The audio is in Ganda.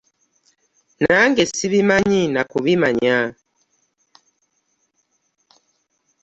Nange sibimanyi na kubimanya